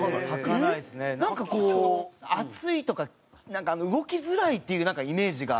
なんかこう暑いとかなんか動きづらいっていうイメージが。